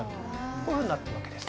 こういうふうになってるわけです。